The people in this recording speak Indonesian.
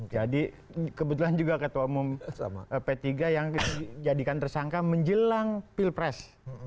jadi kebetulan juga ketua umum p tiga yang dijadikan tersangka menjelang pilpres